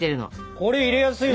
これ入れやすいわ。